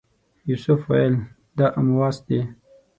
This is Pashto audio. یوسف ویل دا امواس دی.